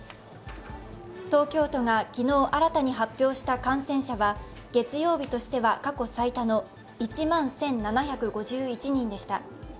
東京都が昨日新たに発表した感染者は月曜日としては過去最多の１万１７５１人でした。